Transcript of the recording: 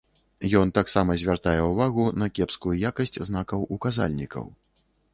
Ён таксама звяртае ўвагу на кепскую якасць знакаў-указальнікаў.